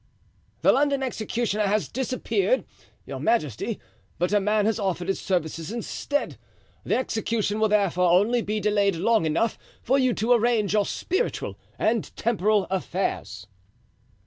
"The London executioner has disappeared, your majesty, but a man has offered his services instead. The execution will therefore only be delayed long enough for you to arrange your spiritual and temporal affairs."